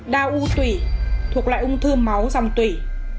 ba đau u tủy thuộc loại ung thư máu dòng tủy